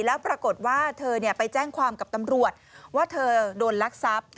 แล้วปรากฏว่าเธอไปแจ้งความกับตำรวจว่าเธอโดนลักทรัพย์